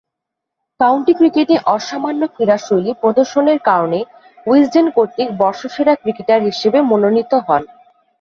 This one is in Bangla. কাউন্টি ক্রিকেটে অসামান্য ক্রীড়াশৈলী প্রদর্শনের কারণে উইজডেন কর্তৃক বর্ষসেরা ক্রিকেটার হিসেবে মনোনীত হন।